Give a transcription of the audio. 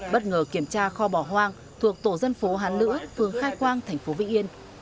bất ngờ kiểm tra kho bỏ hoang thuộc tổ dân phố hán lữ phường khai quang tp vĩ yên